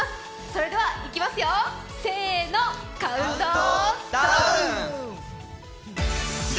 それではいきますよ、せーのカウントダウン！